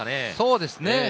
そうですね。